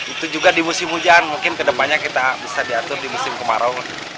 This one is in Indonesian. itu juga di musim hujan mungkin ke depannya kita bisa diatur di musim kemarau